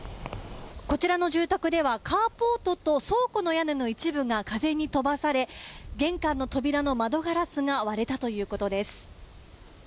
こちらの住宅では、カーポートと倉庫の屋根の一部が風に飛ばされ、玄関の扉の窓ガラスが割れたということです。